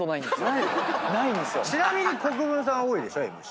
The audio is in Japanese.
ちなみに国分さん多いでしょＭＣ。